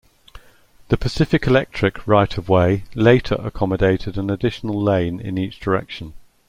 The Pacific Electric right-of-way later accommodated an additional lane in each direction.